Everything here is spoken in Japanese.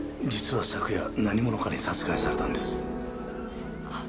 実は昨夜何者かに殺害されたんです。